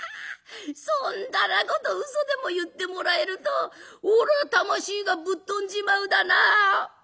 そんだらことうそでも言ってもらえるとおら魂がぶっ飛んじまうだな。